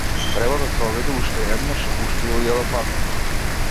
Треба да се обиде уште еднаш, уште илјада пати.